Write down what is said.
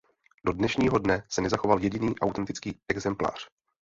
Do dnešního dne se nezachoval jediný autentický exemplář.